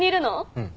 うん。